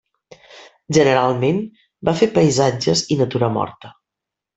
Generalment va fer paisatges i natura morta.